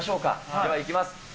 ではいきます。